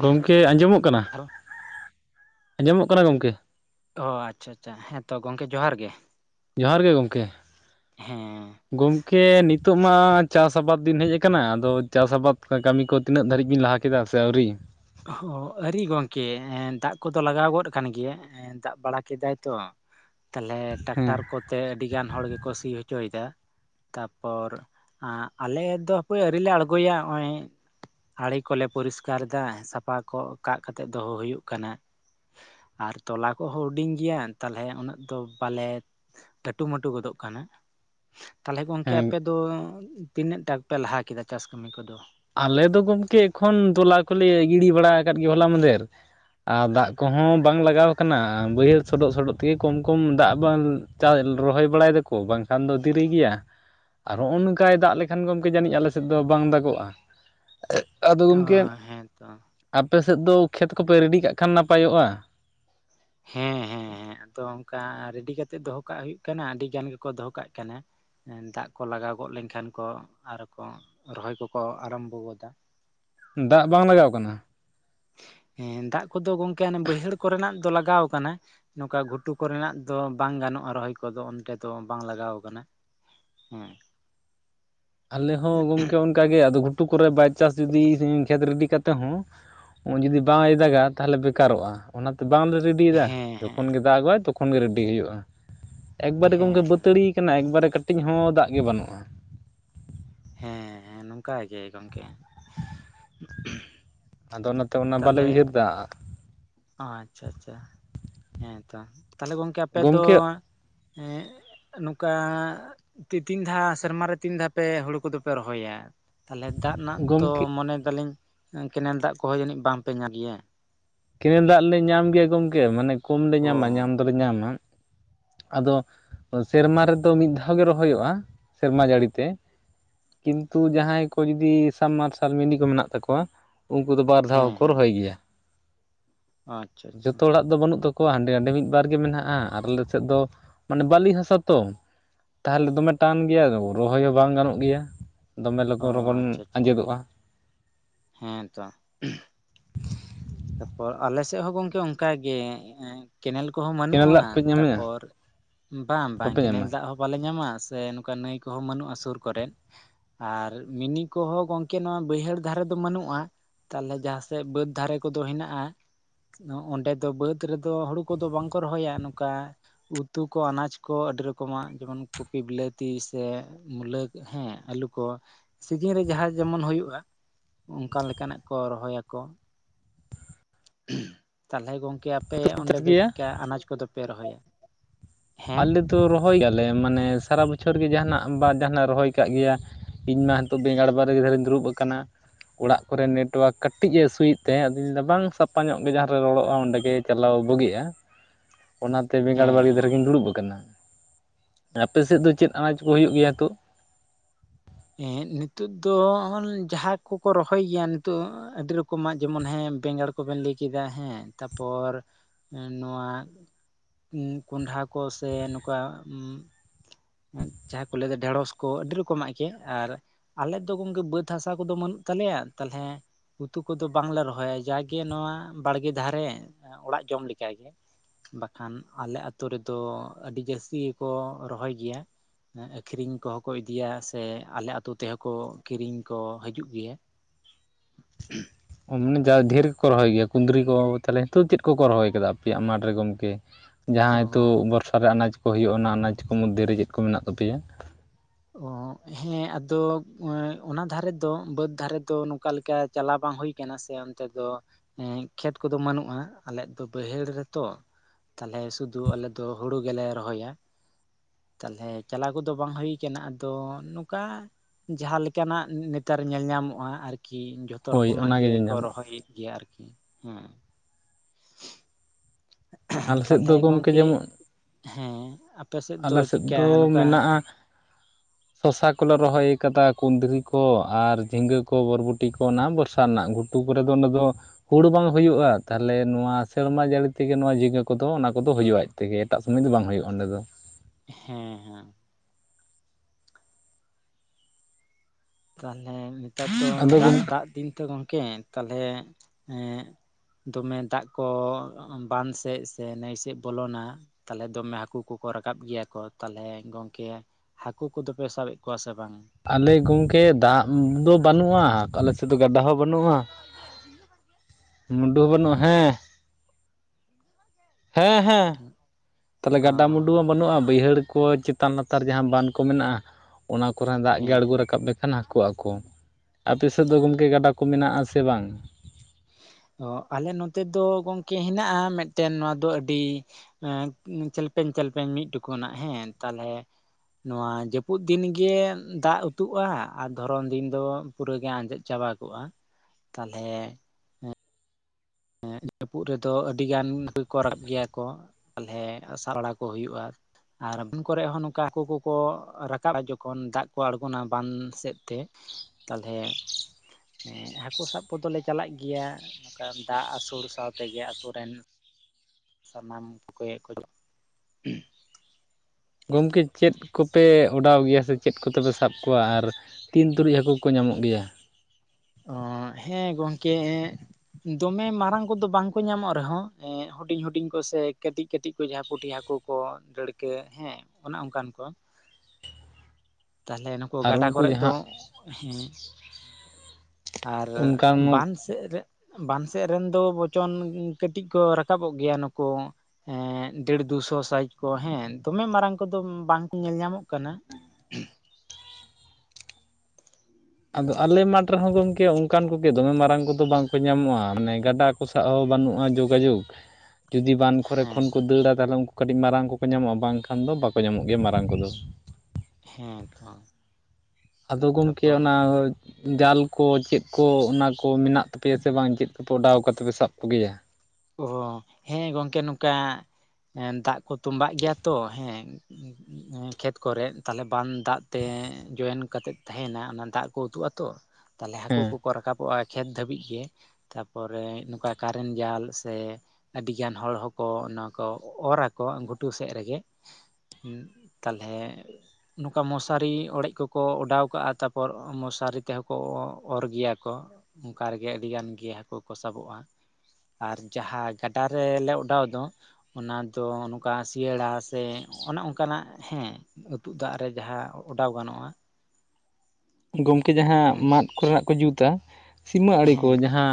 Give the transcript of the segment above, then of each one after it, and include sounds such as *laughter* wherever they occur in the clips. ᱜᱚᱝᱠᱮ ᱟᱸᱡᱚᱢᱚᱜ ᱠᱟᱱᱟ ᱦᱮᱞᱳ ᱟᱸᱡᱚᱢᱚᱜ ᱠᱟᱱᱟ ᱜᱚᱝᱠᱮ᱾ ᱚ ᱟᱪᱪᱷᱟ ᱟᱪᱪᱷᱟ ᱦᱮᱸ ᱛᱚ ᱜᱚᱝᱠᱮ ᱡᱚᱦᱟᱨ ᱜᱮ᱾ ᱡᱚᱦᱟᱨ ᱜᱮ ᱜᱚᱢᱠᱮ᱾ ᱦᱮᱸ᱾ ᱜᱚᱢᱠᱮ ᱱᱤᱛᱚᱜ ᱢᱟ ᱪᱟᱥ ᱟᱵᱟᱫ ᱫᱤᱱ ᱦᱮᱡ ᱟᱠᱟᱱᱟ᱾ ᱟᱫᱚ ᱪᱟᱥ ᱟᱵᱟᱫ ᱠᱟᱹᱢᱤ ᱠᱚ ᱛᱤᱱᱟᱹᱜ ᱫᱷᱟᱹᱨᱤᱡ ᱵᱤᱱ ᱞᱟᱦᱟ ᱠᱮᱫᱟ ᱥᱮ ᱟᱹᱣᱨᱤ? ᱚ ᱟᱹᱨᱤ ᱜᱚᱝᱠᱮ ᱫᱟᱜ ᱠᱚᱫᱚ ᱞᱟᱜᱟᱣ ᱜᱚᱫ ᱟᱠᱟᱱ ᱜᱮᱭᱟ ᱦᱮᱸ ᱫᱟᱜ ᱵᱟᱲᱟ ᱠᱮᱫᱟᱭ ᱛᱚ᱾ ᱛᱟᱦᱚᱞᱮ ᱴᱨᱟᱠᱴᱟᱨ ᱦᱮᱸ ᱠᱚᱛᱮ ᱟᱹᱰᱤᱜᱟᱱ ᱦᱚᱲ ᱜᱮᱠᱚ ᱥᱤ ᱦᱚᱪᱚᱭ ᱫᱟ᱾ ᱛᱟᱯᱚᱨ ᱟᱞᱮ ᱫᱚ ᱦᱟᱯᱮ ᱟᱹᱨᱤ ᱞᱮ ᱟᱬᱜᱚᱭᱟ ᱱᱚᱜᱼᱚᱭ ᱟᱲᱮ ᱠᱚ ᱞᱮ ᱯᱚᱨᱤᱥᱠᱟᱨ ᱮᱫᱟ ᱥᱟᱯᱷᱟ ᱠᱚ ᱠᱟᱜ ᱠᱟᱛᱮᱫ ᱫᱚᱦᱚ ᱦᱩᱭᱩᱜ ᱠᱟᱱᱟ᱾ ᱟᱨ ᱛᱚᱞᱟ ᱠᱚᱦᱚᱸ ᱦᱩᱰᱤᱧ ᱜᱮᱭᱟ ᱛᱟᱞᱦᱮ ᱩᱱᱟᱹᱜ ᱫᱚ ᱵᱟᱞᱮ ᱴᱟᱸᱴᱩ ᱢᱟᱸᱴᱩ ᱜᱚᱫᱚᱜ ᱠᱟᱱᱟ᱾ ᱛᱟᱦᱚᱞᱮ ᱜᱚᱢᱠᱮ ᱦᱮᱸ ᱟᱯᱮ ᱫᱚ ᱛᱤᱱᱟᱹᱜ ᱴᱟᱜᱯᱮ ᱞᱟᱦᱟ ᱠᱮᱫᱟ ᱪᱟᱥ ᱠᱟᱹᱢᱤ ᱠᱚᱫᱚ? ᱟᱞᱮ ᱫᱚ ᱜᱚᱢᱠᱮ ᱮᱠᱷᱚᱱ ᱛᱚᱞᱟ ᱠᱚᱞᱮ ᱜᱤᱲᱤ ᱵᱟᱲᱟ ᱠᱟᱫ ᱜᱮ ᱦᱚᱞᱟ ᱢᱟᱫᱷᱮᱨ᱾ ᱟᱨ ᱫᱟᱜ ᱠᱚᱦᱚᱸ ᱵᱟᱝ ᱞᱟᱜᱟᱣ ᱠᱟᱱᱟ᱾ ᱵᱟᱹᱭᱦᱟᱹᱲ ᱥᱚᱰᱚᱜ ᱥᱚᱰᱚᱜ ᱛᱮᱜᱮ ᱠᱚᱢ ᱠᱚᱢ ᱫᱟᱜ ᱵᱟᱝ ᱪᱟᱥ ᱨᱚᱦᱚᱭ ᱵᱟᱲᱟᱭ ᱫᱟ ᱠᱚ ᱵᱟᱝᱠᱷᱟᱱ ᱫᱚ ᱫᱮᱨᱤ ᱜᱮᱭᱟ ᱟᱨ ᱦᱚᱸᱜᱼᱚ ᱱᱚᱝᱠᱟᱭ ᱫᱟᱜ ᱞᱮᱠᱷᱟᱱ ᱜᱚᱢᱠᱮ ᱡᱟᱹᱱᱤᱡ ᱟᱞᱮ ᱥᱮᱫ ᱫᱚ ᱵᱟᱝ ᱫᱟᱜᱚᱜᱼᱟ᱾ ᱟᱫᱚ ᱚ ᱜᱚᱢᱠᱮ ᱦᱮᱸᱛᱚ ᱟᱯᱮ ᱥᱮᱫ ᱫᱚ ᱠᱷᱮᱛ ᱠᱚᱯᱮ ᱨᱮᱰᱤ ᱠᱟᱜ ᱠᱷᱟᱱ ᱱᱟᱯᱟᱭᱚᱜᱼᱟ᱾ ᱦᱮᱸ ᱦᱮᱸ ᱦᱮᱸ ᱟᱫᱚ ᱚᱱᱠᱟ ᱨᱮᱰᱤ ᱠᱟᱛᱮᱜ ᱫᱚᱦᱚ ᱠᱟᱜ ᱦᱩᱭᱩᱜ ᱠᱟᱱᱟ᱾ ᱟᱹᱰᱤ ᱜᱟᱱ ᱜᱮᱠᱚ ᱫᱚᱦᱚ ᱠᱟᱜ ᱠᱟᱱᱟ᱾ ᱫᱟᱜ ᱠᱚ ᱞᱟᱜᱟᱣ ᱜᱚᱫ ᱞᱮᱱᱠᱷᱟᱱ ᱠᱚ ᱟᱨ ᱠᱚ ᱨᱚᱦᱚᱭ ᱠᱚ ᱠᱚ ᱟᱨᱟᱢᱵᱷᱚ ᱜᱚᱫᱟ᱾ ᱫᱟᱜ ᱵᱟᱝ ᱞᱟᱜᱟᱣ ᱠᱟᱱᱟ? ᱦᱮᱸ ᱫᱟᱜ ᱠᱚ ᱫᱚ ᱜᱚᱢᱠᱮ ᱵᱟᱹᱭᱦᱟᱹᱲ ᱠᱚᱨᱮᱱᱟᱜ ᱫᱚ ᱞᱟᱜᱟᱣ ᱠᱟᱱᱟ᱾ ᱱᱚᱝᱠᱟ ᱜᱷᱩᱴᱩ ᱠᱚᱨᱮᱱᱟᱜ ᱫᱚ ᱵᱟᱝ ᱜᱟᱱᱚᱜᱼᱟ ᱨᱚᱦᱚᱭ ᱠᱚ ᱫᱚ ᱚᱱᱛᱮ ᱫᱚ ᱵᱟᱝ ᱞᱟᱜᱟᱣ ᱠᱟᱱᱟ᱾ ᱦᱩᱸ᱾ ᱟᱞᱮ ᱦᱚᱸ ᱜᱚᱢᱠᱮ ᱚᱱᱠᱟ ᱜᱮ ᱟᱫᱚ ᱜᱷᱩᱴᱩ ᱠᱚᱨᱮ ᱵᱟᱭ ᱪᱟᱥ ᱡᱩᱫᱤ ᱠᱷᱮᱛ ᱨᱮᱰᱤ ᱠᱟᱛᱮᱫ ᱦᱚᱸ ᱩᱱ ᱡᱩᱫᱤ ᱵᱟᱭ ᱫᱟᱜᱟ ᱛᱟᱦᱚᱞᱮ ᱵᱮᱠᱟᱨᱚᱜᱼᱟ᱾ ᱚᱱᱟᱛᱮ ᱵᱟᱝᱞᱮ ᱨᱮᱰᱤᱭ ᱫᱟ ᱦᱮᱸ ᱦᱮᱸ ᱡᱚᱠᱷᱚᱱ ᱜᱮ ᱫᱟᱜᱟᱭ ᱛᱚᱠᱷᱚᱱ ᱜᱮ ᱨᱮᱰᱤ ᱦᱩᱭᱩᱜᱼᱟ᱾ ᱮᱠᱵᱟᱨᱮ ᱦᱮᱸ ᱜᱚᱢᱠᱮ ᱦᱮᱸ ᱵᱟᱹᱛᱟᱹᱲᱤ ᱟᱠᱟᱱᱟ ᱮᱠᱵᱟᱨᱮ ᱠᱟᱹᱴᱤᱡᱽ ᱦᱚᱸ ᱫᱟᱜ ᱜᱮ ᱵᱟᱹᱱᱩᱜᱼᱟ᱾ ᱦᱮᱸ ᱦᱮᱸ ᱱᱚᱝᱠᱟ ᱜᱮ ᱜᱚᱢᱠᱮ᱾ ᱟᱫᱚ ᱚᱱᱟᱛᱮ ᱚᱱᱟ ᱵᱟᱞᱮ ᱛᱟᱦᱚᱞᱮ ᱩᱭᱦᱟᱹᱨ ᱫᱟ ᱟᱪᱪᱷᱟ ᱟᱪᱪᱷᱟ ᱦᱮᱸᱛᱚ ᱛᱟᱦᱚᱞᱮ ᱜᱚᱢᱠᱮ ᱟᱯᱮ ᱫᱚ ᱦᱮᱸ ᱱᱚᱝᱠᱟ ᱛᱤᱱ ᱫᱷᱟᱣ ᱥᱮᱨᱢᱟ ᱨᱮ ᱛᱤᱱ ᱫᱷᱟᱣ ᱯᱮ ᱦᱩᱲᱩ ᱠᱚᱫᱚᱯᱮ ᱨᱚᱦᱚᱭᱟ? ᱛᱟᱦᱚᱞᱮ ᱫᱟᱜ ᱨᱮᱱᱟᱜ ᱫᱚ ᱜᱚᱢᱠᱮ ᱢᱚᱱᱮ ᱫᱟᱞᱤᱧ ᱠᱮᱱᱮᱞ ᱫᱟᱜ ᱠᱚᱦᱚᱸ ᱡᱟᱹᱱᱤᱡ ᱵᱟᱝᱯᱮ ᱧᱟᱢ ᱜᱮᱭᱟ ᱠᱮᱱᱮᱞ ᱫᱟᱜ ᱞᱮ ᱧᱟᱢ ᱜᱮᱭᱟ ᱜᱚᱢᱠᱮ᱾ ᱢᱟᱱᱮ ᱠᱚᱢᱞᱮ ᱚ ᱧᱟᱢᱟ ᱧᱟᱢ ᱫᱚᱞᱮ ᱧᱟᱢᱟ ᱟᱫᱚ ᱥᱮᱨᱢᱟ ᱨᱮᱫᱚ ᱢᱤᱫ ᱫᱷᱟᱣ ᱜᱮ ᱨᱚᱦᱚᱭᱚᱜᱼᱟ ᱥᱮᱨᱢᱟ ᱡᱟᱹᱲᱤ ᱛᱮ ᱠᱤᱱᱛᱩ ᱡᱟᱦᱟᱸᱭ ᱠᱚ ᱡᱩᱫᱤ ᱥᱟᱵᱢᱟᱨᱥᱟᱞ ᱢᱤᱱᱤ ᱠᱚ ᱢᱮᱱᱟᱜ ᱛᱟᱠᱚᱣᱟ ᱩᱱᱠᱩ ᱫᱚ ᱵᱟᱨ ᱫᱷᱟᱣ ᱦᱮᱸ ᱦᱚᱸᱠᱚ ᱦᱮᱸ ᱨᱚᱦᱚᱭ ᱜᱮᱭᱟ᱾ ᱟᱪᱪᱷᱟ ᱟᱪᱪᱷᱟ ᱡᱚᱛᱚ ᱦᱚᱲᱟᱜ ᱫᱚ ᱵᱟᱹᱱᱩᱜ ᱛᱟᱠᱚᱣᱟ ᱦᱟᱸᱰᱮ ᱱᱟᱸᱰᱮ ᱢᱤᱫ ᱵᱟᱨ ᱜᱮ ᱢᱮᱱᱟᱜ-ᱟ ᱟᱨ ᱟᱞᱮ ᱥᱮᱫ ᱫᱚ ᱢᱟᱱᱮ ᱵᱟᱹᱞᱤ ᱦᱟᱥᱟ ᱛᱚ ᱛᱟᱦᱚᱞᱮ ᱫᱚᱢᱮ ᱴᱟᱱ ᱜᱮᱭᱟ ᱨᱚᱦᱚᱭ ᱦᱚᱸ ᱵᱟᱝ ᱜᱟᱱᱚᱜ ᱜᱮᱭᱟ ᱫᱚᱢᱮ ᱚ ᱞᱚᱜᱚᱱ ᱞᱚᱜᱚᱱ ᱟᱪᱪᱷᱟ ᱟᱪᱪᱷᱟ ᱟᱸᱡᱮᱫᱚᱜᱼᱟ ᱦᱮᱸ ᱛᱚ ᱛᱟᱯᱚᱨ ᱟᱞᱮ ᱥᱮᱫ ᱦᱚᱸ ᱜᱚᱢᱠᱮ ᱚᱱᱠᱟ ᱜᱮ ᱠᱮᱱᱮᱞ ᱠᱚᱦᱚᱸ ᱠᱮᱱᱮᱞ ᱵᱟᱹᱱᱩᱜᱼᱟ ᱫᱟᱜ ᱯᱮ ᱧᱟᱢᱮᱜᱼᱟ ᱛᱟᱯᱚᱨ ᱵᱟᱝ ᱵᱟᱝ ᱵᱟᱯᱮ ᱠᱮᱱᱮᱞ ᱧᱟᱢᱟ ᱫᱟᱜ ᱦᱚᱸ ᱵᱟᱞᱮ ᱧᱟᱢᱟ ᱥᱮ ᱱᱚᱝᱠᱟ ᱱᱟᱹᱭ ᱠᱚ ᱦᱚᱸ ᱵᱟᱹᱱᱩᱜ-ᱟ ᱥᱩᱨ ᱠᱚᱨᱮ ᱟᱨ ᱢᱤᱱᱤ ᱠᱚᱦᱚᱸ ᱜᱚᱢᱠᱮ ᱱᱚᱣᱟ ᱵᱟᱹᱭᱦᱟᱹᱲ ᱫᱷᱟᱨᱮ ᱫᱚ ᱢᱟᱹᱱᱩᱜᱼᱟ ᱛᱟᱦᱚᱞᱮ ᱡᱟᱦᱟᱸ ᱥᱮᱫ ᱵᱟᱹᱫᱽ ᱫᱷᱟᱨᱮ ᱠᱚᱫᱚ ᱦᱮᱱᱟᱜᱼᱟ ᱚᱸᱰᱮ ᱫᱚ ᱵᱟᱹᱫᱽ ᱨᱮᱫᱚ ᱦᱩᱲᱩ ᱠᱚᱫᱚ ᱵᱟᱝ ᱠᱚ ᱨᱚᱦᱚᱭᱟ ᱱᱚᱝᱠᱟ ᱩᱛᱩ ᱠᱚ ᱟᱱᱟᱡᱽ ᱠᱚ ᱟᱹᱰᱤ ᱨᱚᱠᱚᱢᱟᱜ ᱡᱮᱢᱚᱱ ᱠᱚᱯᱤ, ᱵᱤᱞᱟᱹᱛᱤ ᱥᱮ ᱢᱩᱞᱟᱹ ᱦᱮᱸ ᱟᱹᱞᱩ ᱠᱚ ᱥᱤᱡᱤᱱ ᱨᱮ ᱡᱟᱦᱟᱸ ᱡᱮᱢᱚᱱ ᱦᱩᱭᱩᱜ-ᱟ᱾ ᱚᱝᱠᱟ ᱞᱮᱠᱟ ᱱᱟᱜ ᱠᱚ ᱨᱚᱦᱚᱭᱟ ᱠᱚ ᱛᱟᱦᱚᱞᱮ ᱜᱚᱢᱠᱮ ᱟᱯᱮ ᱚᱸᱰᱮ ᱪᱟᱥ ᱫᱚ ᱜᱮᱭᱟ ᱪᱮᱠᱟ ᱟᱱᱟᱡᱽ ᱠᱚᱫᱚ ᱯᱮ ᱨᱚᱦᱚᱭᱟ ᱦᱮᱸ ᱟᱞᱮ ᱫᱚ ᱨᱚᱦᱚᱭᱟ ᱞᱮ ᱢᱟᱱᱮ ᱥᱟᱨᱟ ᱵᱚᱪᱷᱚᱨ ᱜᱮ ᱡᱟᱦᱟᱸ ᱱᱟᱜ ᱵᱟ ᱡᱟᱦᱟᱸ ᱱᱟᱜ ᱨᱚᱦᱚᱭ ᱠᱟᱜ ᱜᱮᱭᱟ ᱤᱧ ᱢᱟ ᱱᱤᱛᱚᱜ ᱵᱮᱸᱜᱟᱲ ᱫᱷᱟᱨᱮᱧ ᱫᱩᱲᱩᱵ ᱟᱠᱟᱱᱟ ᱚᱲᱟᱜ ᱠᱚᱨᱮ ᱱᱮᱴᱳᱣᱟᱨᱠ ᱠᱟᱹᱴᱤᱡᱼᱮ ᱤᱥᱩᱭᱮᱫ ᱛᱟᱦᱮᱸ ᱟᱫᱩᱧ ᱞᱟᱹᱭ ᱫᱟ ᱵᱟᱝ ᱥᱟᱯᱷᱟ ᱧᱚᱜ ᱜᱮ ᱡᱟᱦᱟᱸ ᱨᱮ ᱨᱚᱲᱚᱜᱼᱟ ᱚᱸᱰᱮ ᱜᱮ ᱪᱟᱞᱟᱣ ᱵᱩᱜᱮᱜᱼᱟ ᱚᱱᱟᱛᱮ ᱵᱮᱸᱜᱟᱲ ᱦᱮᱸ ᱵᱟᱹᱲᱜᱤ ᱦᱮᱸ ᱫᱷᱟᱨᱮᱜᱤᱧ ᱫᱩᱲᱩᱵ ᱟᱠᱟᱱᱟ ᱾ ᱟᱯᱮ ᱥᱮᱫ ᱫᱚ ᱪᱮᱫ ᱟᱱᱟᱡᱽ ᱠᱚ ᱦᱩᱭᱩᱜ ᱜᱮᱭᱟ ᱦᱮᱸᱛᱩᱜ ᱦᱮᱸ ᱱᱤᱛᱚᱜ ᱫᱚ ᱡᱟᱦᱟᱸ ᱠᱚᱠᱚ ᱨᱚᱦᱚᱭ ᱜᱮᱭᱟ ᱱᱤᱛᱚᱜ ᱟᱹᱰᱤ ᱨᱚᱠᱚᱢᱟᱜ ᱡᱮᱢᱚᱱ ᱦᱮᱸ ᱵᱮᱸᱜᱟᱲ ᱠᱚ ᱵᱮᱱ ᱞᱟᱹᱭ ᱠᱮᱫᱟ ᱦᱮᱸ ᱛᱟᱯᱚᱨ ᱱᱚᱣᱟ ᱠᱚᱸᱰᱦᱟ ᱠᱚ ᱥᱮ ᱱᱚᱝᱠᱟ ᱡᱟᱦᱟᱸ ᱠᱚ ᱞᱟᱹᱭᱫᱟ ᱰᱷᱮᱬᱚᱥ ᱠᱚ ᱟᱹᱰᱤ ᱨᱚᱠᱚᱢᱟᱜ ᱜᱮ ᱟᱨ ᱟᱞᱮ ᱫᱚ ᱜᱚᱝᱠᱮ ᱵᱟᱹᱫᱽ ᱦᱟᱥᱟ ᱠᱚᱫᱚ ᱵᱟᱹᱱᱩᱜ ᱛᱟᱞᱮᱭᱟ ᱛᱟᱞᱦᱮ ᱩᱛᱩ ᱠᱚᱫᱚ ᱵᱟᱝ ᱞᱮ ᱨᱚᱦᱚᱭᱟ ᱡᱟᱜᱮ ᱱᱚᱣᱟ ᱵᱟᱲᱜᱮ ᱫᱷᱟᱨᱮ ᱚᱲᱟᱜ ᱡᱚᱢ ᱞᱮᱠᱟ ᱜᱮ᱾ ᱵᱟᱠᱷᱟᱱ ᱟᱞᱮ ᱟᱹᱛᱩ ᱨᱮᱫᱚ ᱟᱹᱰᱤ ᱡᱟᱹᱥᱛᱤ ᱜᱮᱠᱚ ᱨᱚᱦᱚᱭ ᱜᱮᱭᱟ᱾ ᱟᱹᱠᱷᱨᱤᱧ ᱠᱚᱦᱚᱸ ᱠᱚ ᱤᱫᱤᱭᱟ ᱥᱮ ᱟᱞᱮ ᱟᱛᱳ ᱛᱮᱦᱚᱸ ᱠᱚ ᱠᱤᱨᱤᱧ ᱠᱚ ᱦᱟᱹᱡᱩᱜ ᱜᱮᱭᱟ᱾ *inaudible* *inaudible* ᱮᱢᱱᱤ ᱡᱟ ᱰᱷᱮᱨ ᱜᱮᱠᱚ ᱨᱚᱦᱚᱭ ᱜᱮᱭᱟ ᱠᱩᱸᱫᱽᱨᱤ ᱠᱚ ᱛᱟᱦᱞᱮ ᱱᱤᱛᱩ ᱪᱮᱫ ᱠᱚᱠᱚ ᱨᱚᱦᱚᱭ ᱠᱮᱫᱟ ᱟᱯᱮᱭᱟᱜ ᱢᱟᱴ ᱨᱮ ᱜᱚᱢᱠᱮ? ᱚ ᱡᱟᱦᱟᱸ ᱛᱳᱜ ᱵᱚᱨᱥᱚ ᱨᱮ ᱟᱱᱟᱡᱽ ᱠᱚ ᱦᱩᱭᱩᱜ-ᱟ ᱚᱱᱟ ᱟᱱᱟᱡᱽ ᱠᱚ ᱢᱩᱫᱽᱫᱷᱮ ᱨᱮ ᱪᱮᱫ ᱠᱚ ᱢᱮᱱᱟᱜ ᱛᱟᱯᱮᱭᱟ? ᱚ ᱦᱮᱸ ᱟᱫᱚ ᱚᱱᱟ ᱫᱷᱟᱨᱮ ᱫᱚ ᱵᱟᱹᱫᱽ ᱫᱷᱟᱨᱮ ᱫᱚ ᱱᱚᱠᱟ ᱞᱮᱠᱟ ᱪᱟᱞᱟᱣ ᱵᱟᱝ ᱦᱩᱭ ᱟᱠᱟᱱᱟ ᱥᱮ ᱚᱱᱛᱮ ᱫᱚ ᱦᱮᱸ ᱠᱷᱮᱛ ᱠᱚᱫᱚ ᱵᱟᱹᱱᱩᱜ-ᱟ ᱟᱞᱮᱭᱟᱜ ᱫᱚ ᱵᱟᱹᱭᱦᱟᱹᱲ ᱨᱮᱛᱚ᱾ ᱛᱟᱞᱦᱮ ᱥᱩᱫᱩ ᱟᱞᱮ ᱫᱚ ᱦᱩᱲᱩ ᱜᱮᱞᱮ ᱨᱚᱦᱚᱭᱟ᱾ ᱛᱟᱞᱦᱮ ᱪᱟᱞᱟᱣ ᱠᱚᱫᱚ ᱵᱟᱝ ᱦᱩᱭ ᱤᱱᱠᱟᱹ ᱱᱟᱜ ᱟᱫᱚ ᱱᱚᱠᱟ ᱡᱟᱦᱟᱸ ᱞᱮᱠᱟᱱᱟᱜ ᱱᱮᱛᱟᱨ ᱧᱮᱞ ᱧᱟᱢᱚᱜ-ᱟ ᱟᱨ ᱠᱤ ᱡᱷᱚ ᱛᱚ ᱦᱳᱭ ᱨᱚᱠᱚᱢᱟᱜ ᱚᱱᱟᱜᱮ ᱜᱮ ᱠᱚ ᱧᱮᱞᱧᱟᱢᱚᱜᱼᱟ ᱨᱚᱦᱚᱭᱮᱫ ᱜᱮᱭᱟ ᱟᱨ ᱠᱤ ᱦᱮᱸ᱾ ᱟᱞᱮ ᱥᱮᱫ ᱛᱟᱞᱦᱮ ᱫᱚ ᱜᱚᱢᱠᱮ ᱜᱚᱝᱠᱮ ᱡᱮᱢᱚᱱ ᱦᱮᱸ ᱟᱯᱮ ᱥᱮᱫ ᱫᱚ ᱪᱤᱠᱟ, ᱱᱚᱝᱠᱟ *inaudible* ᱥᱚᱥᱟ ᱠᱚᱞᱮ ᱨᱚᱦᱚᱭ ᱟᱠᱟᱫᱟ ᱠᱩᱸᱫᱽᱨᱤ ᱠᱚ ᱟᱨ ᱡᱷᱤᱸᱜᱟᱹ ᱠᱚ ᱵᱚᱨᱵᱚᱴᱴᱤ ᱠᱚ ᱚᱱᱟ ᱵᱚᱨᱥᱟ ᱨᱮᱱᱟᱜ᱾ ᱜᱷᱩᱴᱩ ᱠᱚᱨᱮ ᱫᱚ ᱚᱱᱟ ᱫᱚ ᱦᱩᱲᱩ ᱵᱟᱝ ᱦᱩᱭᱩᱜ-ᱟ, ᱛᱟᱦᱚᱞᱮ ᱱᱚᱣᱟ ᱥᱮᱨᱢᱟ ᱡᱟᱹᱲᱤ ᱛᱮᱜᱮ ᱱᱚᱣᱟ ᱡᱟᱹ ᱤᱭᱟᱹ ᱠᱚᱫᱚ ᱚᱱᱟ ᱠᱚᱫᱚ ᱦᱩᱭᱩᱜ-ᱟ ᱟᱡ ᱛᱮᱜᱮ ᱮᱴᱟᱜ ᱥᱚᱢᱚᱭ ᱫᱚ ᱵᱟᱝ ᱦᱩᱭᱩᱜ-ᱟ ᱚᱸᱰᱮ ᱫᱚ᱾ ᱦᱮᱸ ᱦᱮᱸ ᱛᱟᱦᱞᱮ ᱱᱮᱛᱟᱨ ᱫᱚ ᱟᱫᱚ ᱫᱟᱜ ᱜᱚᱢᱠᱮ ᱫᱟᱜ ᱫᱤᱱ ᱛᱚ ᱜᱚᱢᱠᱮ ᱛᱟᱦᱞᱮ ᱦᱮᱸ ᱫᱚᱢᱮ ᱫᱟᱜ ᱠᱚ ᱵᱟᱱ ᱥᱮᱫ ᱥᱮ ᱱᱟᱹᱭ ᱥᱮᱫ ᱵᱚᱞᱚᱱᱟ᱾ ᱛᱟᱦᱞᱮ ᱫᱚᱢᱮ ᱦᱟᱹᱠᱩ ᱠᱚᱠᱚ ᱨᱟᱠᱟᱵ ᱜᱮᱭᱟ ᱠᱚ ᱛᱟᱦᱚᱞᱮ ᱜᱚᱝᱠᱮ ᱦᱟᱹᱠᱩ ᱠᱚᱫᱚ ᱯᱮ ᱥᱟᱵ ᱮᱫ ᱠᱚᱣᱟ ᱥᱮ ᱵᱟᱝ? ᱟᱞᱮ ᱜᱚᱢᱠᱮ ᱫᱟᱜ ᱫᱚ ᱵᱟᱹᱱᱩᱜ-ᱟ, ᱟᱞᱮ ᱥᱮᱫ ᱫᱚ ᱜᱟᱰᱟ ᱦᱚᱸ ᱵᱟᱹᱱᱩᱜ-ᱟ᱾ ᱢᱩᱰᱩ ᱵᱟᱹᱱᱩᱜ-ᱟ, ᱦᱮᱸ, ᱦᱮᱸ ᱦᱮᱸ᱾ *inaudible* ᱛᱟᱦᱞᱮ ᱜᱟᱰᱟᱼᱢᱩᱰᱩ ᱦᱚᱸ ᱵᱟᱹᱱᱩᱜᱼᱟ, ᱵᱟᱹᱭᱦᱟᱹᱲ ᱠᱚ ᱪᱮᱛᱟᱱ ᱞᱟᱛᱟᱨ ᱡᱟᱦᱟᱸ ᱵᱟᱸᱫᱷ ᱠᱚ ᱢᱮᱱᱟᱜᱼᱟ? ᱚᱱᱟ ᱠᱚᱨᱟᱱ ᱫᱟᱜ ᱜᱮ ᱦᱮᱸ ᱟᱬᱜᱚ ᱨᱟᱠᱟᱵ ᱞᱮ ᱠᱷᱟᱱ ᱦᱟᱹᱠᱳ ᱟᱠᱚ, ᱟᱯᱮ ᱥᱮᱫ ᱫᱚ ᱜᱚᱢᱠᱮ ᱜᱟᱰᱟ ᱠᱚ ᱢᱮᱱᱟᱜᱼᱟ ᱥᱮ ᱵᱟᱝ? ᱚ ᱟᱞᱮ ᱱᱚᱛᱮ ᱫᱚ ᱜᱚᱝᱠᱮ ᱦᱮᱱᱟᱜᱼᱟ ᱢᱤᱫᱴᱮᱱ ᱱᱚᱣᱟ ᱫᱚ ᱟᱹᱰᱤ ᱮᱸ ᱪᱮᱞᱯᱮᱧ ᱪᱮᱞᱯᱮᱧ ᱢᱤᱫ ᱴᱩᱠᱩᱱᱟᱜ ᱦᱮᱸ ᱛᱟᱞᱦᱮ ᱱᱚᱣᱟ ᱡᱟᱹᱯᱩᱫ ᱫᱤᱱ ᱜᱮ ᱫᱟᱜ ᱩᱛᱩᱜᱼᱟ ᱟᱨ ᱫᱷᱚᱨᱚᱱ ᱫᱤᱱ ᱫᱚ ᱯᱩᱨᱟᱹ ᱜᱮ ᱟᱸᱡᱮᱜ ᱪᱟᱵᱟ ᱠᱚᱜᱼᱟ ᱛᱟᱞᱦᱮ ᱦᱮᱸ ᱮᱸ ᱡᱟᱹᱯᱩᱫ ᱨᱮᱫᱚ ᱟᱹᱰᱤ ᱜᱟᱱ *inaudible* ᱜᱮᱭᱟ ᱠᱚ ᱛᱟᱞᱦᱮ ᱟᱥᱟᱵ ᱵᱟᱲᱟ ᱠᱚ ᱦᱩᱭᱩᱜᱼᱟ᱾ ᱟᱨ *inaudible* ᱠᱚᱨᱮ ᱦᱚᱸ ᱱᱚᱝᱠᱟ ᱦᱟᱹᱠᱩ ᱠᱚᱠᱚ ᱨᱟᱠᱟᱵᱼᱟ ᱡᱚᱠᱷᱚᱱ ᱫᱟᱜ ᱠᱚ ᱟᱬᱜᱚᱱᱟ ᱵᱟᱱ ᱥᱮᱫ ᱛᱮ᱾ ᱛᱟᱞᱦᱮ ᱮᱸ ᱦᱟᱹᱠᱩ ᱥᱟᱵ ᱠᱚᱫᱚ ᱞᱮ ᱪᱟᱞᱟᱜ ᱜᱮᱭᱟ ᱱᱚᱝᱠᱟ ᱫᱟᱜ ᱟᱹᱥᱩᱲ ᱥᱟᱶᱛᱮ ᱜᱮ ᱟᱛᱳ ᱨᱮᱱ ᱥᱟᱱᱟᱢ *unintelligible* ᱜᱚᱢᱠᱮ ᱪᱮᱫ ᱠᱚᱯᱮ ᱚᱰᱟᱣ ᱜᱮᱭᱟ ᱥᱮ ᱪᱮᱫ ᱠᱚᱛᱮᱯᱮ ᱥᱟᱵ ᱠᱚᱣᱟ? ᱟᱨ ᱛᱤᱱ ᱛᱩᱨᱩᱡ ᱦᱟᱹᱠᱳ ᱠᱚ ᱧᱟᱢᱚᱜ ᱜᱮᱭᱟ᱾ ᱚ ᱦᱮᱸ ᱜᱚᱢᱠᱮ, ᱫᱚᱢᱮ ᱢᱟᱨᱟᱝ ᱠᱚᱫᱚ ᱵᱟᱝᱠᱚ ᱧᱟᱢᱚᱜ ᱨᱮᱦᱚᱸ ᱮᱸ ᱦᱩᱰᱤᱧ ᱦᱩᱰᱤᱧ ᱠᱚ ᱥᱮ ᱠᱟᱹᱴᱤᱡ ᱠᱟᱹᱴᱤᱡ ᱠᱚ ᱡᱟᱦᱟᱸᱭ ᱯᱩᱴᱷᱤ ᱦᱟᱹᱠᱩ ᱠᱚ ᱰᱟᱹᱲᱠᱟᱹ ᱦᱮᱸ ᱚᱱᱮ ᱚᱱᱠᱟᱱ ᱠᱚ᱾ ᱛᱟᱞᱦᱮ ᱱᱩᱠᱩ ᱟᱨ ᱜᱟᱰᱟ ᱩᱱᱠᱩ ᱠᱚᱨᱮᱜ ᱫᱚ ᱡᱟᱦᱟᱸ ᱦᱮᱸ ᱟᱨ ᱚᱱᱠᱟᱱ ᱵᱟᱱᱥ ᱥᱮᱜ ᱨᱮ ᱵᱟᱱ ᱥᱮᱜ ᱨᱮᱱ ᱫᱚ ᱵᱚᱪᱚᱱ ᱠᱟᱹᱴᱤᱡ ᱠᱚ ᱨᱟᱠᱟᱵᱚᱜ ᱜᱮᱭᱟ ᱱᱩᱠᱩ ᱦᱮᱸ ᱫᱮᱲ ᱫᱩᱥᱚ ᱥᱟᱭᱤᱡ ᱠᱚ ᱦᱮᱸ ᱫᱚᱢᱮ ᱢᱟᱨᱟᱝ ᱠᱚᱫᱚ ᱵᱟᱝ ᱠᱚ ᱧᱮᱞ ᱧᱟᱢᱚᱜ ᱠᱟᱱᱟ᱾ *inaudible* ᱟᱫᱚ ᱟᱞᱮ ᱢᱟᱴᱷ ᱨᱮᱦᱚᱸ ᱜᱚᱢᱠᱮ ᱚᱱᱠᱟᱱ ᱠᱚᱜᱮ ᱫᱚᱢᱮ ᱢᱟᱨᱟᱝ ᱠᱚᱫᱚ ᱵᱟᱝᱠᱚ ᱧᱟᱢᱚᱜᱼᱟ ᱢᱟᱱᱮ ᱜᱟᱰᱟ, ᱠᱚ ᱥᱟᱜ ᱦᱚᱸ ᱵᱟᱹᱱᱩᱜᱼᱟ ᱡᱳᱜᱟᱡᱳᱜᱽ᱾ ᱡᱩᱫᱤ ᱵᱟᱱ ᱠᱚ ᱨᱮ ᱦᱮᱸ ᱠᱷᱚᱱ ᱠᱚ ᱫᱟᱹᱲᱟ ᱛᱟᱦᱞᱮ ᱩᱱᱠᱩ ᱠᱟᱹᱴᱤᱡ ᱢᱟᱨᱟᱝ ᱠᱚᱠᱚ ᱧᱟᱢᱚᱜᱼᱟ ᱵᱟᱝᱠᱷᱟᱱ ᱫᱚ ᱵᱟᱠᱚ ᱧᱟᱢᱚᱜ ᱜᱮᱭᱟ ᱢᱟᱨᱟᱝ ᱠᱚᱫᱚ ᱦᱮᱸ ᱛᱚ ᱟᱫᱚ ᱜᱚᱢᱠᱮ ᱛᱟᱯᱚᱨ ᱚᱱᱟ *inaudible* ᱡᱟᱞ ᱠᱚ ᱪᱮᱫ ᱠᱚ ᱚᱱᱟ ᱠᱚ ᱢᱮᱱᱟᱜ ᱛᱟᱯᱮᱭᱟ ᱥᱮ ᱵᱟᱝ ᱪᱮᱫ ᱠᱚᱯᱮ ᱚᱰᱟᱣ ᱠᱟᱛᱮ ᱯᱮ ᱥᱟᱵ ᱠᱚᱜᱮᱭᱟ ᱚᱦᱚ ᱦᱮᱸ ᱜᱚᱝᱠᱮ ᱱᱚᱝᱠᱟ ᱫᱟᱜ ᱠᱚ ᱛᱩᱸᱵᱟᱜ ᱜᱤᱭᱟ ᱛᱚ ᱦᱮᱸ ᱮᱸ ᱠᱷᱮᱛ ᱠᱚᱨᱮ ᱛᱟᱞᱦᱮ ᱵᱟᱱ ᱫᱟᱜ ᱛᱮ ᱡᱚᱭᱮᱱ ᱠᱟᱛᱮᱫ ᱛᱟᱦᱮᱸᱱᱟ ᱚᱱᱟ ᱫᱟᱜ ᱠᱚ ᱩᱛᱩᱜᱼᱟ ᱛᱚ ᱛᱟᱞᱞᱮ ᱦᱟᱹᱠᱩ ᱦᱮᱸ ᱠᱚᱠᱚ ᱨᱟᱠᱟᱵᱚᱜᱼᱟ ᱠᱷᱮᱛ ᱫᱷᱟᱹᱵᱤᱡ ᱜᱮ ᱛᱟᱯᱚᱨᱮ ᱱᱚᱝᱠᱟ ᱠᱟᱨᱮᱱ ᱡᱟᱞ ᱥᱮ ᱟᱹᱰᱤᱜᱟᱱ ᱦᱚᱲ ᱦᱚᱸᱠᱚ ᱱᱟ ᱠᱚ ᱚᱨ ᱟᱠᱚ ᱜᱷᱩᱴᱩ ᱥᱮᱜ ᱨᱮᱜᱮ ᱛᱟᱞᱦᱮ ᱱᱚᱝᱠᱟ ᱢᱚᱥᱟᱨᱤ ᱚᱲᱮᱡ ᱠᱚᱠᱚ ᱚᱰᱟᱣ ᱠᱟᱜᱼᱟ ᱛᱟᱯᱚᱨ ᱢᱚᱥᱟᱨᱤ ᱛᱮᱦᱚᱸ ᱠᱚ ᱚ ᱚᱨ ᱜᱮᱭᱟ ᱠᱚ ᱚᱱᱠᱟ ᱨᱮᱜᱮ ᱟᱹᱰᱤ ᱜᱟᱱ ᱜᱮ ᱦᱟᱹᱠᱳ ᱠᱚ ᱥᱟᱵᱚᱜᱼᱟ ᱟᱨ ᱡᱟᱦᱟᱸ ᱜᱟᱰᱟ ᱨᱮ ᱞᱮ ᱚᱰᱟᱣ ᱫᱚ ᱚᱱᱟ ᱫᱚ ᱱᱚᱝᱠᱟ ᱥᱤᱭᱟᱹᱲᱟ ᱥᱮ ᱚᱱᱮ ᱚᱱᱠᱟᱱᱟᱜ ᱦᱮᱸ ᱟᱹᱛᱩᱜ ᱫᱟᱜ ᱨᱮ ᱡᱟᱦᱟᱸ ᱚᱰᱟᱣ ᱜᱟᱱᱚᱜᱼᱟ ᱜᱚᱢᱠᱮ ᱡᱟᱦᱟᱸ ᱦᱮᱸ ᱢᱟᱫ ᱠᱚ ᱨᱮᱱᱟᱜ ᱠᱚ ᱡᱩᱛᱟ ᱥᱤᱢᱟᱹ ᱟᱲᱮ ᱠᱚ ᱦᱮᱸ ᱡᱟᱦᱟᱸ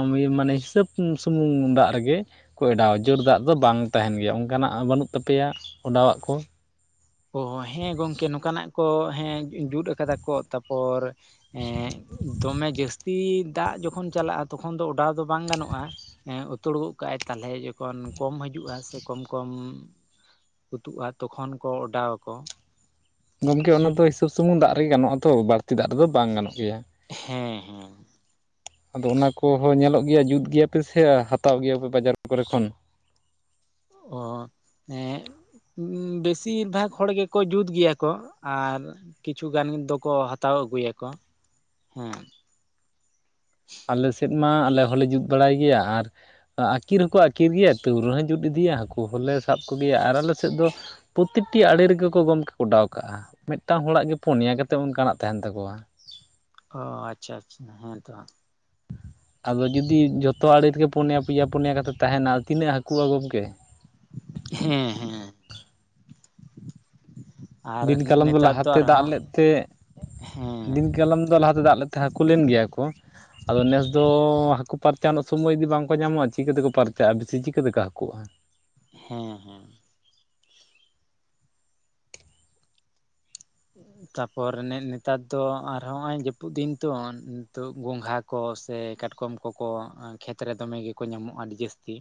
*inaudible* ᱢᱟᱱᱮ ᱦᱤᱥᱟᱹᱵ ᱥᱩᱢᱩᱝ ᱫᱟᱜ ᱨᱮᱜᱮ ᱠᱚ ᱮᱰᱟᱣᱟ ᱡᱳᱨ ᱫᱟᱜ ᱫᱚ ᱵᱟᱝ ᱛᱟᱦᱮᱸᱱ ᱜᱮᱭᱟ ᱚᱱᱠᱟᱱᱟᱜ ᱵᱟᱹᱱᱩᱜ ᱛᱟᱯᱮᱭᱟ ᱚᱰᱟᱣᱟᱜ ᱠᱚ ᱚ ᱦᱮᱸ ᱜᱚᱢᱠᱮ ᱱᱚᱠᱟᱱᱟᱜ ᱠᱚ ᱦᱮᱸ ᱡᱩᱫ ᱠᱟᱫᱟ ᱠᱚ ᱛᱟᱯᱚᱨ ᱮᱸᱫᱚᱢᱮ ᱡᱟᱹᱥᱛᱤ ᱫᱟᱜ ᱡᱚᱠᱷᱚᱱ ᱪᱟᱞᱟᱜᱼᱟ ᱛᱚᱠᱷᱚᱱ ᱫᱚ ᱚᱰᱟᱣ ᱫᱚ ᱵᱟᱝ ᱜᱟᱱᱚᱜᱼᱟ ᱮᱸ ᱩᱛᱷᱳᱲ ᱜᱚᱜ ᱠᱟᱜᱼᱟᱭ ᱛᱟᱞᱦᱮ ᱡᱚᱠᱷᱚᱱ ᱠᱚᱢ ᱦᱤᱡᱩᱜᱼᱟ ᱥᱮ ᱠᱚᱢ ᱠᱚᱢ ᱩᱛᱩᱜᱼᱟ ᱛᱚᱠᱷᱚᱱ ᱠᱚ ᱚᱰᱟᱣᱟ ᱠᱚ ᱜᱚᱢᱠᱮ ᱚᱱᱟ ᱫᱚ ᱦᱤᱥᱟᱹᱵ ᱥᱩᱢᱩᱝ ᱫᱟᱜ ᱨᱮ ᱜᱮ ᱜᱟᱱᱚᱜᱼᱟ ᱛᱚ ᱵᱟᱹᱲᱛᱤ ᱫᱟᱜ ᱨᱮᱫᱚ ᱵᱟᱝ ᱜᱟᱱᱚᱜ ᱜᱮᱭᱟ ᱦᱮᱸ ᱦᱮᱸ ᱟᱫᱚ ᱚᱱᱟ ᱠᱚ ᱦᱚᱸ ᱧᱮᱞᱚᱜ ᱜᱮᱭᱟ ᱡᱩᱛ ᱜᱮᱭᱟ ᱯᱮ ᱥᱮ ᱦᱟᱛᱟᱣ ᱜᱮᱭᱟ ᱯᱮ ᱵᱟᱡᱟᱨ ᱠᱚ ᱨᱮ ᱠᱷᱚᱱ ᱚ ᱮᱸ ᱵᱮᱥᱤᱨ ᱵᱷᱟᱜᱽ ᱦᱚᱲ ᱜᱮ ᱠᱚ ᱡᱩᱛ ᱜᱮᱭᱟ ᱠᱚ ᱟᱨ ᱠᱤᱪᱷᱩ ᱜᱟᱱ ᱫᱚᱠᱚ ᱦᱟᱛᱟᱣ ᱟᱹᱜᱩᱭᱟ ᱠᱚ ᱦᱮᱸ ᱟᱞᱮ ᱥᱮᱫ ᱢᱟ ᱟᱞᱮ ᱦᱚᱸᱞᱮ ᱡᱩᱛ ᱵᱟᱲᱟᱭ ᱜᱮᱭᱟ ᱟᱨ ᱟᱹᱠᱤᱨ ᱦᱚᱸᱠᱚ ᱟᱹᱠᱤᱨ ᱜᱮᱭᱟ ᱛᱟᱹᱣ ᱨᱮᱦᱚᱸ ᱡᱩᱛ ᱤᱫᱤᱭᱟ ᱦᱟᱹᱠᱩ ᱦᱚᱸᱞᱮ ᱥᱟᱵ ᱠᱚᱜᱮᱭᱟ ᱟᱨ ᱟᱞᱮ ᱥᱮᱫ ᱫᱚ ᱯᱳᱛ ᱛᱮᱠᱴᱤ ᱟᱲᱮ ᱨᱮᱜᱮ ᱠᱚ ᱜᱚᱢᱠᱮ ᱠᱚ ᱚᱰᱟᱣ ᱠᱟᱜᱼᱟ ᱢᱤᱫᱴᱟᱝ ᱦᱚᱲᱟᱜ ᱜᱮ ᱯᱩᱱᱭᱟ ᱠᱟᱛᱮᱫ ᱚᱱᱠᱟᱱᱟᱜ ᱛᱟᱦᱮᱸᱱ ᱛᱟᱠᱚᱣᱟ ᱚ ᱟᱪᱪᱷᱟ ᱟᱪᱪᱷᱟ ᱦᱮᱸ ᱛᱚ ᱟᱫᱚ ᱡᱩᱫᱤ ᱡᱷᱚᱛᱚ ᱟᱲᱮ ᱨᱮᱜᱮ ᱯᱩᱱᱭᱟ ᱯᱮᱭᱟ ᱯᱩᱱᱭᱟ ᱠᱟᱛᱮᱫ ᱛᱟᱦᱮᱸᱱᱟ ᱛᱤᱱᱟᱹᱜ ᱦᱟᱹᱠᱩᱜᱼᱟ ᱜᱚᱢᱠᱮ ᱦᱮᱸ ᱦᱮᱸ ᱟᱨ ᱫᱤᱱ ᱠᱟᱞᱚᱢ ᱫᱚ ᱱᱮᱛᱟᱨ ᱞᱟᱦᱟᱛᱮ ᱫᱟᱜ ᱟᱨᱦᱚᱸ ᱞᱮᱫ ᱛᱮ ᱫ ᱦᱮᱸ ᱫᱤᱱ ᱠᱟᱞᱚᱢ ᱫᱚ ᱞᱟᱦᱟ ᱛᱮ ᱫᱟᱜ ᱞᱮᱫ ᱛᱮ ᱦᱟᱹᱠᱩ ᱞᱮᱱ ᱜᱮᱭᱟ ᱠᱚ ᱟᱫᱚ ᱱᱮᱥ ᱫᱚ ᱦᱟᱹᱠᱩ ᱯᱟᱨᱪᱟ ᱨᱮᱱᱟᱜ ᱥᱚᱢᱚᱭ ᱜᱤ ᱵᱟᱝᱠᱚ ᱧᱟᱢᱼᱟ ᱪᱤᱠᱟᱹ ᱛᱮᱠᱚ ᱯᱟᱨᱪᱟᱜᱼᱟ ᱵᱮᱥᱤ ᱪᱤᱠᱟᱹ ᱛᱮᱠᱚ ᱦᱟᱹᱠᱩᱜᱼᱟ ᱦᱮᱸ ᱦᱮᱸ ᱛᱟᱯᱚᱨ ᱱᱮᱛᱟᱨ ᱫᱚ ᱟᱨ ᱦᱚᱸ ᱱᱚᱜ ᱚᱭ ᱡᱟᱹᱯᱩᱫ ᱫᱤᱱ ᱛᱚ ᱱᱤᱛᱚᱜ ᱜᱚᱝᱜᱷᱟ ᱠᱚ ᱥᱮ ᱠᱟᱴᱠᱚᱢ ᱠᱚᱠᱚ ᱠᱷᱮᱛ ᱨᱮ ᱫᱚᱢᱮ ᱜᱮᱠᱚ ᱧᱟᱢᱚᱜᱼᱟ ᱟᱹᱰᱤ ᱡᱟᱹᱥᱛᱤ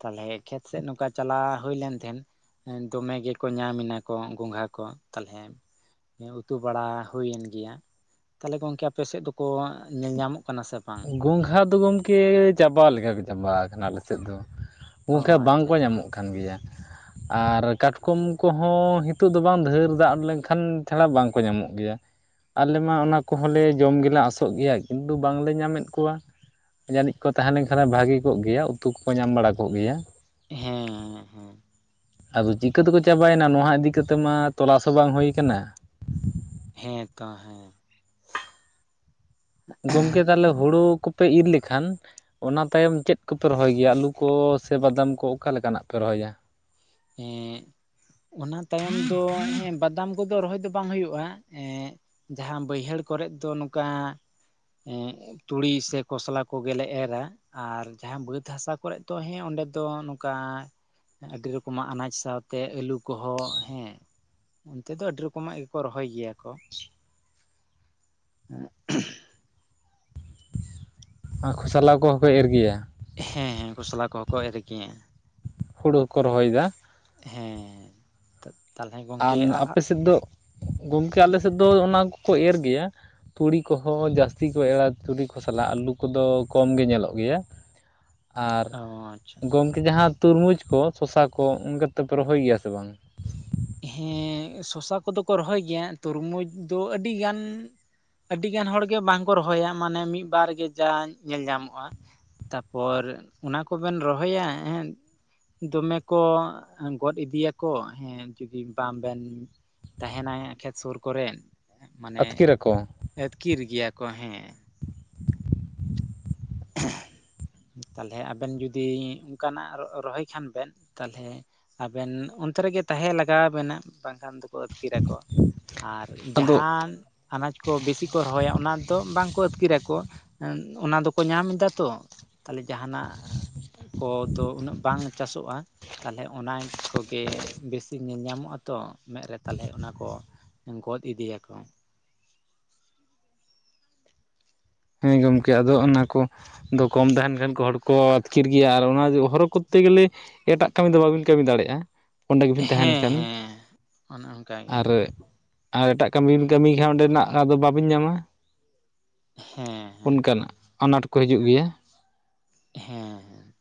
ᱛᱟᱦᱚᱞᱮ ᱠᱷᱮᱛ ᱥᱮᱫ ᱱᱚᱝᱠᱟ ᱪᱟᱞᱟᱣ ᱦᱩᱭ ᱞᱮᱱ ᱛᱟᱦᱮᱸᱱ ᱦᱮᱸ ᱫᱚᱢᱮ ᱜᱮᱠᱚ ᱧᱟᱢᱮ ᱮᱱᱟ ᱠᱚ ᱜᱚᱸᱜᱷᱟ ᱠᱚ ᱛᱟᱞᱦᱮ ᱩᱛᱩ ᱵᱟᱲᱟ ᱦᱩᱭᱮᱱ ᱜᱮᱭᱟ ᱛᱟᱦᱚᱞᱮ ᱜᱚᱢᱠᱮ ᱟᱯᱮ ᱥᱮᱫ ᱫᱚᱠᱚ ᱧᱮᱞ ᱧᱟᱢᱚᱜ ᱠᱟᱱᱟ ᱥᱮ ᱵᱟᱝ ᱜᱚᱝᱜᱷᱟ ᱫᱚ ᱜᱚᱢᱠᱮ ᱪᱟᱵᱟ ᱞᱮᱠᱟ ᱠᱚ ᱪᱟᱵᱟ ᱠᱟᱱᱟ ᱟᱞᱮ ᱥᱮᱫ ᱫᱚ ᱚ ᱚᱝᱠᱟ ᱟᱪᱪᱷᱟ ᱵᱟᱝᱠᱚ ᱟᱪᱪᱷᱟ ᱧᱟᱢᱚᱜ ᱠᱟᱱ ᱜᱮᱭᱟ ᱟᱨ ᱠᱟᱴᱠᱚᱢ ᱠᱚᱦᱚᱸ ᱱᱤᱛᱚᱜ ᱫᱚ ᱵᱟᱝ ᱫᱷᱮᱨ ᱫᱟᱜ ᱞᱮᱱᱠᱷᱟᱱ ᱪᱷᱟᱲᱟ ᱵᱟᱝᱠᱚ ᱧᱟᱢᱚᱜ ᱜᱮᱭᱟ ᱟᱞᱮ ᱢᱟ ᱚᱱᱟ ᱠᱚᱦᱚᱸ ᱞᱮ ᱡᱚᱢ ᱜᱮᱞᱮ ᱟᱥᱚᱜ ᱜᱮᱭᱟ ᱠᱤᱱᱛᱩ ᱵᱟᱝᱞᱮ ᱧᱟᱢᱮᱫ ᱠᱚᱣᱟ ᱡᱟᱹᱱᱤᱡ ᱠᱚ ᱛᱟᱦᱮᱸ ᱞᱮᱱ ᱠᱷᱟᱱ ᱵᱷᱟᱹᱜᱤ ᱠᱚᱜ ᱜᱮᱭᱟ ᱩᱛᱩ ᱠᱚᱠᱚ ᱧᱟᱢ ᱵᱟᱲᱟ ᱠᱚᱜ ᱜᱮᱭᱟ ᱦᱮᱸ ᱟᱫᱚ ᱪᱤᱠᱟᱹᱛᱮᱠᱚ ᱪᱟᱵᱟᱭᱮᱱᱟ ᱱᱚᱣᱟ ᱤᱫᱤ ᱠᱟᱛᱮ ᱢᱟ ᱛᱚᱞᱟᱥ ᱦᱚᱸ ᱵᱟᱝ ᱦᱩᱭ ᱠᱟᱱᱟ ᱦᱮᱸ ᱛᱚ ᱦᱮᱸ ᱜᱚᱢᱠᱮ ᱛᱟᱦᱚᱞᱮ ᱦᱩᱲᱩ ᱠᱚᱯᱮ ᱤᱨ ᱞᱮᱠᱷᱟᱱ ᱚᱱᱟ ᱛᱟᱭᱚᱢ ᱪᱮᱫ ᱠᱚᱯᱮ ᱨᱚᱦᱚᱭ ᱜᱮᱭᱟ ᱟᱹᱞᱩᱠᱚ ᱥᱮ ᱵᱟᱫᱟᱢ ᱠᱚ ᱚᱠᱟ ᱞᱮᱠᱟᱱᱟᱜ ᱯᱮ ᱨᱚᱦᱚᱭᱟ ᱮᱜ ᱚᱱᱟ ᱛᱟᱭᱚᱢ ᱫᱚ ᱦᱮᱸ ᱵᱟᱫᱟᱢ ᱠᱚᱫᱚ ᱨᱚᱦᱚᱭ ᱫᱚ ᱵᱟᱝ ᱦᱩᱭᱩᱜᱼᱟ ᱮ ᱡᱟᱦᱟᱸ ᱵᱟᱹᱭᱦᱟᱹᱲ ᱠᱚᱨᱮᱜ ᱫᱚ ᱱᱚᱝᱠᱟ ᱮ ᱛᱩᱲᱤ ᱥᱮ ᱠᱚᱥᱞᱟ ᱠᱚᱜᱮᱞᱮ ᱮᱨᱟ ᱟᱨ ᱡᱟᱦᱟᱸ ᱵᱟᱹᱛ ᱦᱟᱥᱟ ᱠᱚᱨᱮᱫ ᱫᱚ ᱦᱮᱸ ᱚᱸᱰᱮ ᱫᱚ ᱱᱚᱝᱠᱟ ᱟᱹᱰᱤ ᱨᱚᱠᱚ- -ᱠᱚᱢᱟ ᱟᱱᱟᱡᱽ ᱥᱟᱶᱛᱮ ᱟᱹᱞᱩ ᱠᱚᱦᱚᱸ ᱦᱮᱸ ᱚᱱᱛᱮ ᱫᱚ ᱟᱹᱰᱤ ᱨᱚᱠᱚᱢᱟᱜ ᱜᱮᱠᱚ ᱨᱚᱦᱚᱭ ᱜᱮᱭᱟ ᱠᱚ ᱟᱨ ᱠᱷᱚᱥᱚᱞᱟ ᱠᱚᱦᱚᱸ ᱠᱚ ᱮᱨ ᱜᱮᱭᱟ ᱦᱮᱸ ᱦᱮᱸ ᱠᱷᱚᱥᱞᱟ ᱠᱚᱦᱚᱸ ᱠᱚ ᱮᱨ ᱜᱮᱭᱟ ᱦᱩᱲᱩ ᱦᱚᱠᱚ ᱨᱚᱦᱚᱭᱮᱫᱟ ᱦᱮᱸ ᱛᱟᱦᱚᱞᱮ ᱟᱨ ᱜᱚᱝᱠᱮ ᱟᱯᱮ ᱥᱮᱫ ᱫᱚ ᱜᱚᱢᱠᱮ ᱟᱞᱮ ᱥᱮᱫ ᱫᱚ ᱚᱱᱟ ᱠᱚᱠᱚ ᱮᱨ ᱜᱮᱭᱟ ᱛᱩᱲᱤ ᱠᱚᱦᱚᱸ ᱡᱟᱹᱥᱛᱤ ᱠᱚ ᱮᱨᱟ ᱛᱩᱲᱤ ᱠᱚ ᱥᱟᱞᱟᱜ ᱟᱹᱞᱩ ᱠᱚᱫᱚ ᱠᱚᱢ ᱜᱮ ᱧᱮᱞᱚᱜ ᱜᱮᱭᱟ *inaudible* ᱟᱨ ᱚ ᱟᱪᱪᱷᱟ ᱟᱪᱪᱷᱟ ᱜᱚᱢᱠᱮ ᱡᱟᱦᱟᱸ ᱛᱩᱨᱢᱩᱡᱽ ᱠᱚ ᱥᱚᱥᱟ ᱠᱚ ᱚᱱᱠᱟ ᱛᱮᱯᱮ ᱨᱚᱦᱚᱭ ᱜᱮᱭᱟ ᱥᱮ ᱵᱟᱝ ᱦᱮᱸ ᱥᱚᱥᱟ ᱠᱚᱫᱚ ᱠᱚ ᱨᱚᱦᱚᱭ ᱜᱮᱭᱟ ᱛᱚᱨᱢᱩᱡᱽ ᱫᱚ ᱟᱹᱰᱤᱜᱟᱱ ᱟᱹᱰᱤ ᱜᱟᱱ ᱦᱚᱲᱜᱮ ᱵᱟᱝ ᱠᱚ ᱨᱚᱦᱚᱭᱟ ᱢᱟᱱᱮ ᱢᱤᱫᱵᱟᱨ ᱜᱮ ᱡᱟ ᱧᱮᱞ ᱧᱟᱢᱚᱜᱼᱟ ᱛᱟᱯᱚᱨ ᱚᱱᱟ ᱠᱚᱵᱮᱱ ᱨᱚᱦᱚᱭᱟ ᱦᱮ ᱫᱚᱢᱮ ᱠᱚ ᱜᱚᱫ ᱤᱫᱤᱭᱟ ᱠᱚ ᱦᱮᱸ ᱡᱩᱫᱤ ᱵᱟᱝ ᱵᱮᱱ ᱛᱟᱦᱮᱱᱟ ᱠᱷᱮᱛ ᱥᱩᱨ ᱠᱚᱨᱮ ᱢᱟᱱᱮ ᱟᱹᱛᱠᱤᱨ ᱟᱠᱚ ᱟᱹᱛᱠᱤᱨ ᱜᱮᱭᱟ ᱠᱚ ᱦᱮᱸ *inaudible* ᱛᱟᱦᱚᱞᱮ ᱟᱵᱮᱱ ᱡᱩᱫᱤ ᱚᱱᱠᱟᱱᱟᱜ ᱨᱚᱦᱚᱭ ᱠᱷᱟᱱ ᱵᱮᱱ ᱛᱟᱦᱚᱞᱮ ᱟᱵᱮᱱ ᱚᱱᱛᱮ ᱨᱮᱜᱮ ᱛᱟᱦᱮᱸ ᱞᱟᱜᱟᱣ ᱟᱵᱮᱱᱟ ᱵᱟᱝᱠᱷᱟᱱ ᱫᱚ ᱠᱚ ᱟᱹᱛᱠᱤᱨ ᱟᱠᱚ ᱟᱨ ᱟᱫᱚ ᱡᱟᱦᱟᱱ ᱟᱱᱟᱡ ᱠᱚ ᱵᱮᱥᱤ ᱠᱚ ᱨᱚᱦᱚᱭᱟ ᱚᱱᱟ ᱫᱚ ᱵᱟᱝ ᱠᱚ ᱟᱹᱛᱠᱤᱨ ᱟᱠᱚ ᱚᱱᱟ ᱫᱚ ᱠᱚ ᱧᱟᱢ ᱫᱟ ᱛᱚ ᱛᱟᱦᱚᱞᱮ ᱡᱟᱦᱟ ᱱᱟᱜ ᱠᱚ ᱫᱚ ᱩᱱᱟᱹᱜ ᱵᱟᱝ ᱪᱟᱥᱚᱜᱼᱟ ᱛᱟᱦᱚᱞᱮ ᱚᱱᱟ ᱠᱚᱜᱮ ᱵᱮᱥᱤ ᱧᱮᱞ ᱧᱟᱢᱚᱜᱼᱟ ᱛᱚ ᱢᱮᱫ ᱨᱮ ᱛᱟᱦᱚᱞᱮ ᱚᱱᱟ ᱠᱚ ᱜᱚᱫ ᱤᱫᱤ ᱭᱟᱠᱚ ᱦᱮᱸ ᱜᱚᱢᱠᱮ ᱟᱫᱚ ᱚᱱᱟ ᱠᱚ ᱫᱚ ᱠᱚᱢ ᱛᱟᱦᱮᱱ ᱠᱷᱟᱱ ᱠᱚ ᱦᱚᱲ ᱠᱚ ᱟᱹᱛᱠᱤᱨ ᱜᱮᱭᱟ ᱟᱨ ᱚᱱᱟ ᱦᱚᱨᱚ ᱠᱚᱨᱛᱮ ᱜᱮᱞᱮ ᱮᱴᱟᱜ ᱠᱟᱹᱢᱤ ᱫᱚ ᱵᱟᱵᱤᱱ ᱠᱟᱹᱢᱤ ᱫᱟᱲᱮᱭᱟᱜᱼᱟ ᱚᱸᱰᱮ ᱜᱮᱵᱤᱱ ᱛᱟᱦᱮᱱ ᱦᱮᱸ ᱠᱷᱟᱱ ᱦᱮᱸ ᱚᱱᱮ ᱚᱱᱠᱟᱜᱮ ᱟᱨ ᱟᱨ ᱮᱴᱟᱜ ᱠᱟᱹᱢᱤ ᱵᱱ ᱠᱟᱹᱢᱤᱭ ᱠᱷᱟᱱ ᱚᱸᱰᱮᱱᱟᱜ ᱫᱚ ᱵᱟᱵᱤᱱ ᱧᱟᱢᱟ ᱦᱮᱸ ᱦᱮᱸ ᱚᱱᱠᱟᱱᱟᱜ ᱟᱱᱟᱴ ᱠᱚ ᱦᱤᱡᱩᱜ ᱜᱮᱭᱟ ᱦᱮᱸ ᱦᱮᱸ